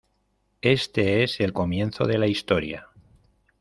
Este es el comienzo de la historia.